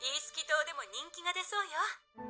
島でも人気が出そうよ」